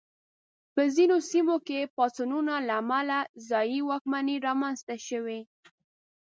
په ځینو سیمو کې پاڅونونو له امله ځايي واکمنۍ رامنځته شوې.